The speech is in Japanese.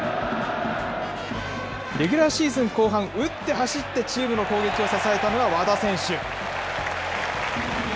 レギュラーシーズン後半、打って走って、チームの攻撃を支えたのが和田選手。